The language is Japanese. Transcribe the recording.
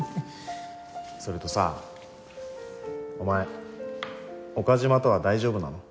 それとさお前岡島とは大丈夫なの？